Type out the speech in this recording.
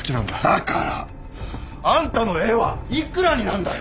だからあんたの絵は幾らになんだよ！